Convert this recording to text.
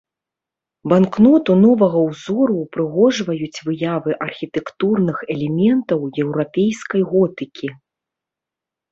Банкноту новага ўзору ўпрыгожваюць выявы архітэктурных элементаў еўрапейскай готыкі.